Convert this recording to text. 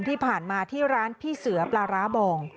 ที่ผ่านมาที่ร้านพี่เสือปลาร้าบอง